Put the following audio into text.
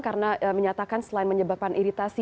karena menyatakan selain menyebabkan iritasi